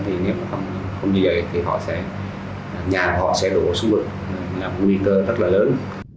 thì nhà họ sẽ đổ xuống được là nguy cơ rất là lớn